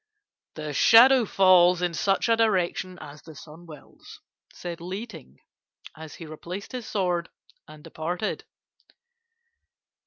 "'The shadow falls in such a direction as the sun wills,' said Li Ting, as he replaced his sword and departed.